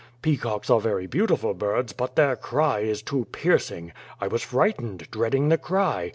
Peacocks are very beautiful birds, but their cry is too piercing. I was frightened, dreading the cry.